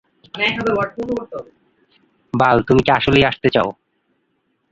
বাল, তুমি কি আসলেই আসতে চাও?